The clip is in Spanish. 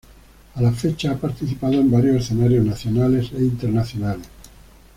A la fecha, ha participado en varios escenarios nacionales e internacionales.